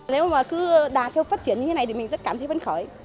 nếu mà cứ đảng phát triển như thế này thì mình rất cảm thấy vấn khởi